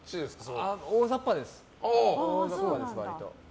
おおざっぱです。